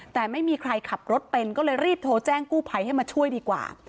แต่ไม่มีใครขับรถเป็นก็เลยรีบโทรแจ้งกู้ภัยให้มาช่วยดีกว่า